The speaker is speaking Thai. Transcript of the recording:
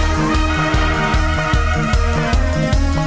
สวัสดีครับ